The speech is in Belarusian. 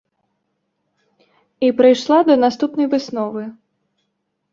І прыйшла да наступнай высновы.